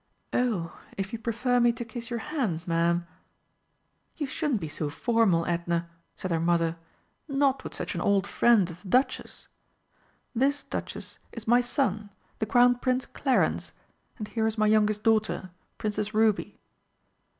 "Oh, if you prefer me to kiss your hand, ma'am " "You shouldn't be so formal, Edna!" said her mother. "Not with such an old friend as the Duchess. This, Duchess, is my son, the Crown Prince Clarence, and here is my youngest daughter, Princess Ruby."